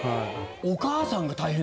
⁉お母さんが大変ですね。